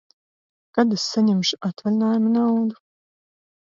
Kad es saņemšu atvaļinājuma naudu?